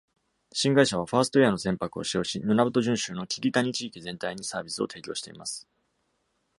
新会社は、ファーストエアの船舶を使用し、ヌナブト準州のキキタニ地域全体にサービスを提供しています。